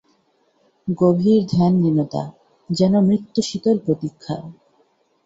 গভীর ধ্যানলীনতা, যেন মৃত্যুশীতল প্রতীক্ষা।